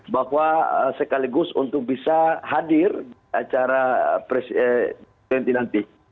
bahwa sekaligus untuk bisa hadir di acara g dua puluh nanti